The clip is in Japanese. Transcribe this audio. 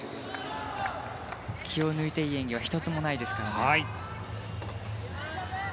気を抜いていい演技は１つもないですからね。